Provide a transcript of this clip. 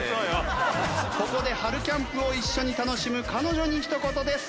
ここで春キャンプを一緒に楽しむ彼女にひと言です。